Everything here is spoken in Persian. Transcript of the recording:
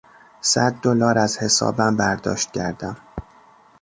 صد دلار از حسابم برداشت کردم.